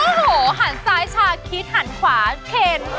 โอ้โหหันซ้ายเฉาะคิดหันขวาเพล